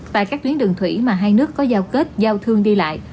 tại các tuyến đường thủy mà hai nước có giao kết giao thương đi lại